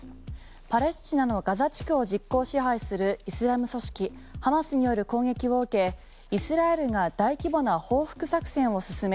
パレスチナのガザ地区を実効支配するイスラム組織ハマスによる攻撃を受けイスラエルが大規模な報復作戦を進め